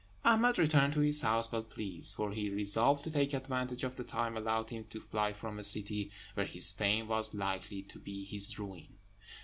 Ahmed returned to his house well pleased; for he resolved to take advantage of the time allowed him to fly from a city where his fame was likely to be his ruin.